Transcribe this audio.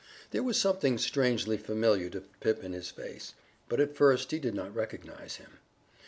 There was something strangely familiar to Pip in his face, but at first he did not recognize him.